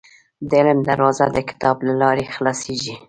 • د علم دروازه، د کتاب له لارې خلاصېږي.